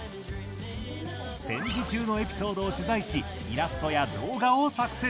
戦時中のエピソードを取材しイラストや動画を作成。